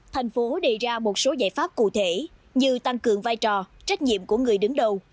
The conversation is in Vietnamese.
thành phố đề ra một số giải pháp cụ thể như tăng cường vai trò trách nhiệm của người đứng đầu